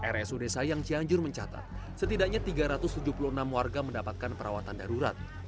rsud sayang cianjur mencatat setidaknya tiga ratus tujuh puluh enam warga mendapatkan perawatan darurat